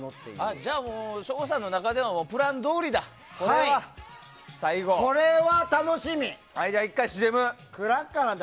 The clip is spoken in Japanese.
じゃあ省吾さんの中でのプランどおりだ、これは。